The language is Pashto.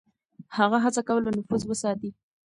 هغه هڅه کوله نفوذ وساتي.